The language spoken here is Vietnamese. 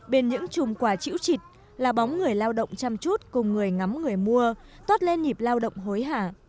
bên những chùm quả chữ trịt là bóng người lao động chăm chút cùng người ngắm người mua toát lên nhịp lao động hối hả